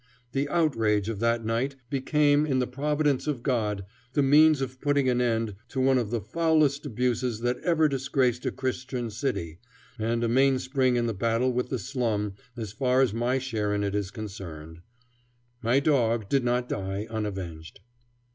The outrage of that night became, in the providence of God, the means of putting an end to one of the foulest abuses that ever disgraced a Christian city, and a mainspring in the battle with the slum as far as my share in it is concerned. My dog did not die unavenged.